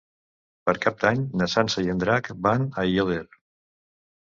Per Cap d'Any na Sança i en Drac van a Aiòder.